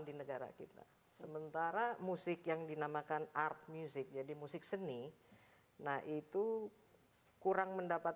di negara kita sementara musik yang dinamakan art music jadi musik seni nah itu kurang mendapat